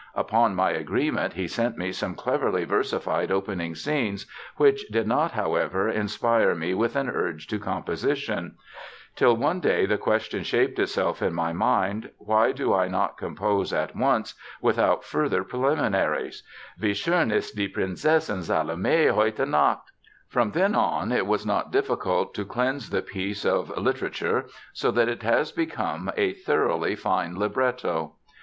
Upon my agreement he sent me some cleverly versified opening scenes which did not, however, inspire me with an urge to composition; till one day the question shaped itself in my mind: 'Why do I not compose at once, without further preliminaries: Wie schön ist die Prinzessin Salome heute Nacht!' From then on it was not difficult to cleanse the piece of 'literature', so that it has become a thoroughly fine libretto!